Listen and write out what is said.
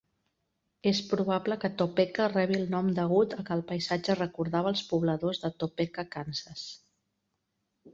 És probable que Topeka rebi el nom degut a que el paisatge recordava als pobladors de Topeka, Kansas.